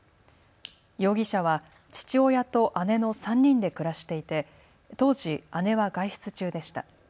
容疑者は父親と姉の３人で暮らしていて当時、姉は外出中でした。